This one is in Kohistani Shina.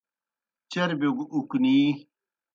چربِیو گہ اُکنی۔